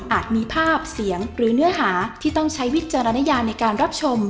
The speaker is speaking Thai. มีภาพเสียงหรือเนื้อหาที่ต้องใช้วิจารณญาในการรับชม